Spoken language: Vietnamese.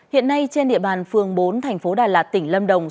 hiện nay trên địa bàn phường bốn thành phố đà lạt tỉnh lâm đồng